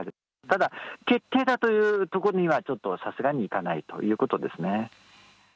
ただ、決定打というところまではちょっと、さすがにいかないということですね。